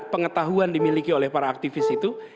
pengetahuan dimiliki oleh para aktivis itu